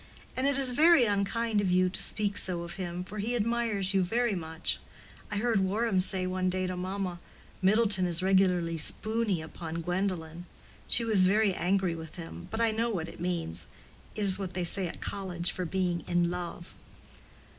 "And it is very unkind of you to speak so of him, for he admires you very much. I heard Warham say one day to mamma, 'Middleton is regularly spooney upon Gwendolen.' She was very angry with him; but I know what it means. It is what they say at college for being in love."